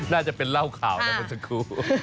น่าจะเป็นล่าขาวนะพนสกุ